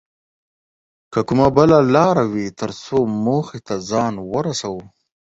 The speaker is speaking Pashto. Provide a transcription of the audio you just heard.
که کومه بله لاره وي تر څو موخې ته ځان ورسوو